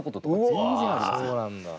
そうなんだ。